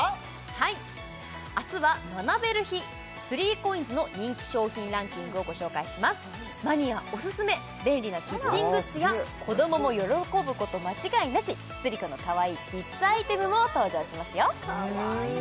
はい明日は学べる日３ＣＯＩＮＳの人気商品ランキングをご紹介しますマニアオススメ便利なキッチングッズや子どもも喜ぶこと間違いなしスリコのかわいいキッズアイテムも登場しますよかわいい！